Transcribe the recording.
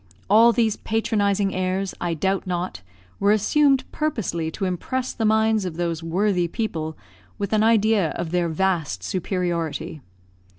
All these patronising airs, I doubt not, were assumed purposely to impress the minds of those worthy people with an idea of their vast superiority.